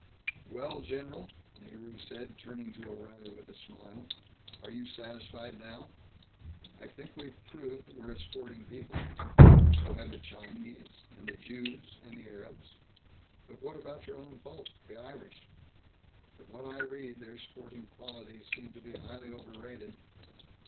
"Well, general," Nehru said, turning to O'Reilly with a smile, "are you satisfied now? I think we've proved we're a sporting people. So have the Chinese, and the Jews and the Arabs. But what about your own folk, the Irish? From what I read, their sporting qualities seem to be highly overrated.